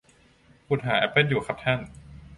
ขุดหาแอปเปิ้ลอยู่ครับท่าน